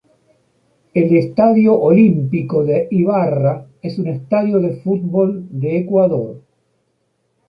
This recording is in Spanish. El Estadio Olímpico de Ibarra es un estadio de fútbol de Ecuador.